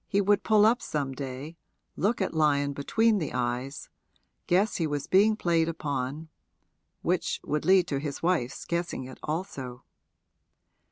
He would pull up some day, look at Lyon between the eyes guess he was being played upon which would lead to his wife's guessing it also.